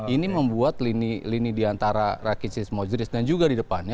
ini membuat lini diantara rakitic dan modric dan juga di depannya